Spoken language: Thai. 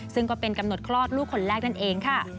ซึ่งก็เป็นกำหนดคลอดลูกคนแรกนั่นเองค่ะ